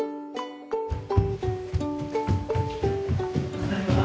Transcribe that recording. ただいま。